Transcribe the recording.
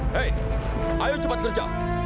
hei ayo cepat kerja